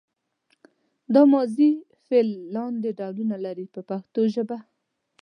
دا ماضي فعل لاندې ډولونه لري په پښتو ژبه.